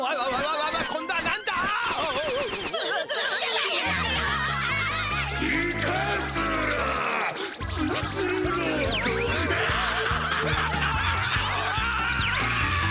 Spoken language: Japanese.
わあ！